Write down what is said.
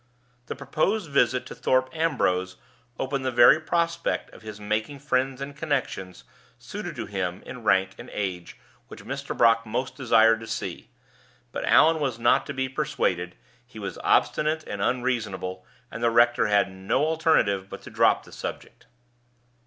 The proposed visit to Thorpe Ambrose opened the very prospect of his making friends and connections suited to him in rank and age which Mr. Brock most desired to see; but Allan was not to be persuaded; he was obstinate and unreasonable; and the rector had no alternative but to drop the subject.